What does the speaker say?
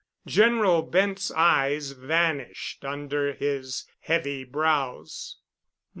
General Bent's eyes vanished under his heavy brows.